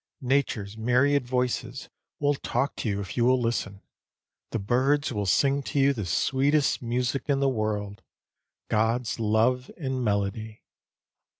Nature's myriad voices will talk to you if you will listen; the birds will sing to you the sweetest music in the world—God's love in melody.